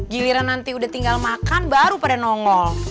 giliran nanti udah tinggal makan baru pada nongol